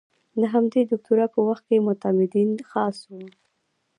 د همدې دوکتورا په وخت کې معتمدین خاص وو.